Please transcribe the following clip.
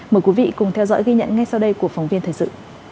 mời quý vị cùng theo dõi ghi nhận ngay sau đây của phóng viên thời sự